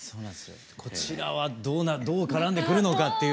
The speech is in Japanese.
こちらはどう絡んでくるのかっていう。